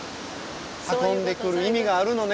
運んでくる意味があるのね。